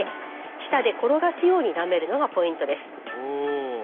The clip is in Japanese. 舌で転がすようになめるのがポイントです。